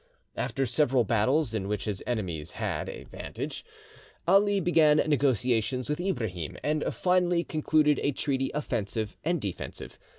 After several battles, in which his enemies had the a vantage, Ali began negotiations with Ibrahim, and finally concluded a treaty offensive and defensive.